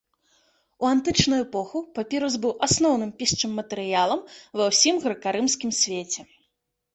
У антычную эпоху папірус быў асноўным пісчым матэрыялам ва ўсім грэка-рымскім свеце.